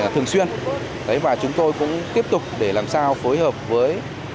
thường xuyên và chúng tôi cũng tiếp tục để làm sao phối hợp với